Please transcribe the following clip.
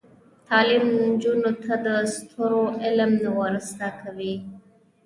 تعلیم نجونو ته د ستورو علم ور زده کوي.